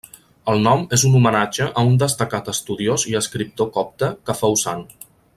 El nom és un homenatge a un destacat estudiós i escriptor copte que fou sant.